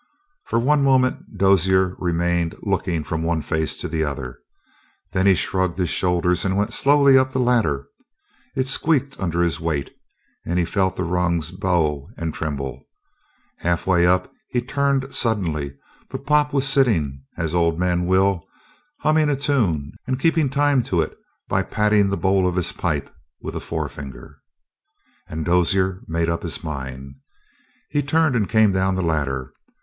For one moment Dozier remained looking from one face to the other. Then he shrugged his shoulders and went slowly up the ladder. It squeaked under his weight, he felt the rungs bow and tremble. Halfway up he turned suddenly, but Pop was sitting as old men will, humming a tune and keeping time to it by patting the bowl of his pipe with a forefinger. And Dozier made up his mind. He turned and came down the ladder.